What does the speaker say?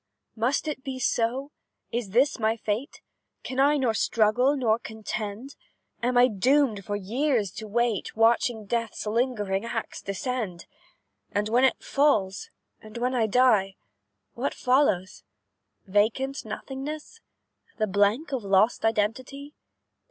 "Must it be so? Is this my fate? Can I nor struggle, nor contend? And am I doomed for years to wait, Watching death's lingering axe descend? "And when it falls, and when I die, What follows? Vacant nothingness? The blank of lost identity?